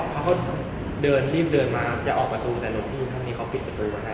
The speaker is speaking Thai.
เขาก็เดินรีบเดินมาจะออกประตูแต่หลุดที่เขาปิดประตูมาให้